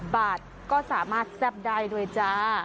๒๐บาทก็สามารถแซ่บได้นะครับ